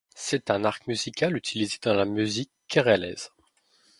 C'est un arc musical utilisé dans la musique kéralaise.